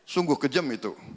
sungguh kejam itu